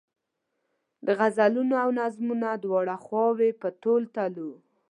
د غزلونو او نظمونو دواړه خواوې په تول تلو.